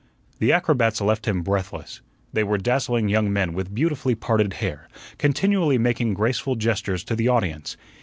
The acrobats left him breathless. They were dazzling young men with beautifully parted hair, continually making graceful gestures to the audience.